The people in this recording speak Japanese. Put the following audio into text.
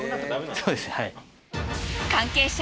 そうですはい。